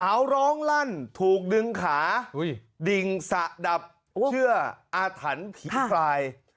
เขาร้องลั่นถูกดึงขาดิ่งสะดับเชื่ออาถรรพ์ผีพลาย